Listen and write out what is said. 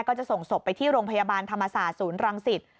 ก็จะส่งศพไปที่โรงพยาบาลธรรมศาสตร์ศูนย์รังสิต